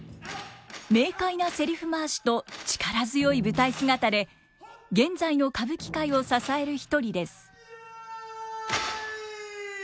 明快なせりふ回しと力強い舞台姿で現在の歌舞伎界を支える一人です。